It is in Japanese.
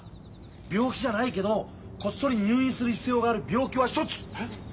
病気じゃないけどこっそり入院する必要がある病気は一つ！え？